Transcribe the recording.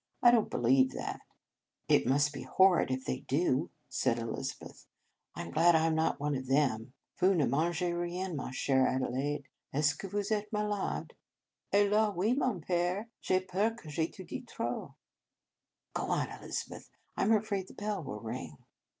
I don t believe that." "It must be horrid, if they do," said Elizabeth. " I m glad I m not one of them. Vous ne mangez rien, ma chere Adelaide. Est ce que vous etes malade ?" "Helas! oui, mon pere. J ai peur que j etudie trop. Go on, Elizabeth, I m afraid the bell will ring."